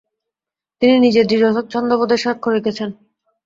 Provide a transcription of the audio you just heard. তিনি নিজের দৃঢ় ছন্দবোধের সাক্ষর রেখেছেন।